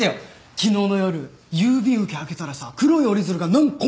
昨日の夜郵便受け開けたらさ黒い折り鶴が何個も入ってて。